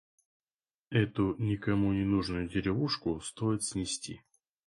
Эту никому ненужную деревушку стоит снести.